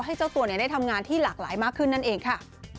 เจ้าตัวได้ทำงานที่หลากหลายมากขึ้นนั่นเองค่ะ